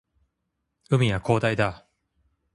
海は広大だ